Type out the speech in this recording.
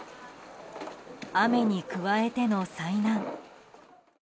雨に加えての災難。